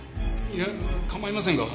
☎いや構いませんが。